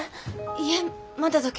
いえまだだけど。